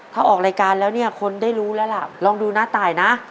ถ้าออกรายการแล้วเนี่ยคนได้รู้แล้วล่ะลองดูนะตายนะ